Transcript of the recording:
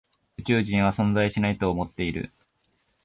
宇宙人は存在しないと思っている。